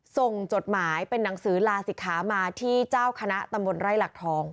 จดหมายเป็นหนังสือลาศิกขามาที่เจ้าคณะตำบลไร่หลักทอง